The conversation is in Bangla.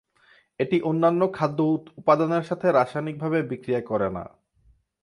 এটি অন্যান্য খাদ্য উপাদানের সাথে রাসায়নিকভাবে বিক্রিয়া করে না।